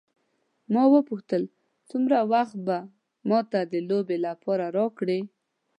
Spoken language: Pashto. ما وپوښتل څومره وخت به ما ته د لوبې لپاره راکړې.